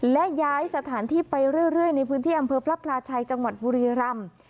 และย้ายสถานที่ไปเรื่อยในพื้นที่อำเภอพระพลาชัยจังหวัดบุรีรำ